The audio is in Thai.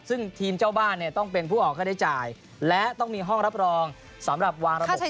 ซึ่งทีมเจ้าบ้านเนี่ยต้องเป็นผู้ออกค่าใช้จ่ายและต้องมีห้องรับรองสำหรับวางระบบ